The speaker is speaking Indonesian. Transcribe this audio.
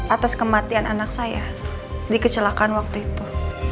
atas kematian anak saya di kecelakaan waktu itu